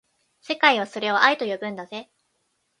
世界はそれを愛と呼ぶんだぜ